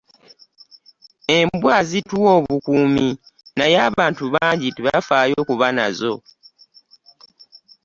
Embwa zituwa obukuumi naye abantu bangi tebafaayo kuba nazo.